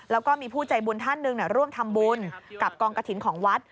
แล้วก็มีผู้ใจบุญท่านหนึ่งร่วมทำบุญกับกองกระถิ่นของวัด